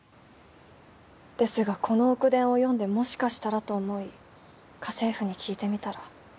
ですがこの『奥伝』を読んでもしかしたらと思い家政婦に聞いてみたら。